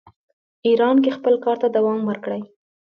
ایران کې خپل کار ته دوام ورکړي.